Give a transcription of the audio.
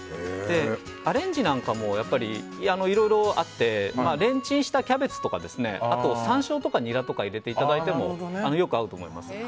アレンジなんかもいろいろあってレンチンしたキャベツとか山椒とかニラを入れていただいてもよく合うと思います。